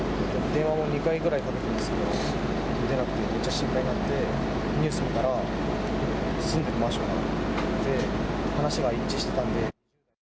電話も２回ぐらいかけたんですけど、出なくて、めっちゃ心配になって、ニュースを見たら、住んでるマンションが出て、話が一致してたんで。